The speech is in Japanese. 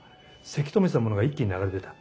せき止めてたものが一気に流れ出た。